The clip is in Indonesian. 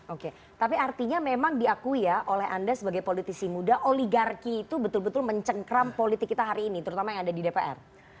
oke tapi artinya memang diakui ya oleh anda sebagai politisi muda oligarki itu betul betul mencengkram politik kita hari ini terutama yang ada di dpr